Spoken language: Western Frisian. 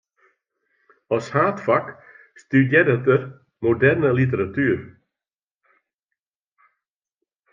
As haadfak studearret er moderne literatuer.